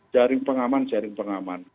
jaring pengaman jaring pengaman